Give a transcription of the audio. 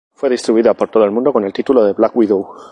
Fue distribuida por todo el mundo con el título "Black Widow".